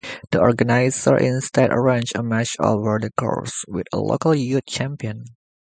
The organisers instead arranged a match over the course with a local youth champion.